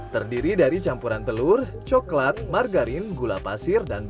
terdiri dari campuran telur coklat margarin gula pasir dan